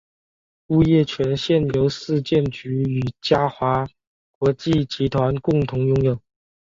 物业权现由市建局与嘉华国际集团共同拥有。